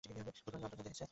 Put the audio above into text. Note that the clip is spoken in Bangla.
ভুল করেনি অন্তর যা দেখেছে।